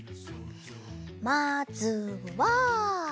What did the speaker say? まずは。